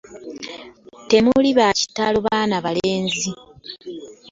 Temuli ba kitalo baana balenzi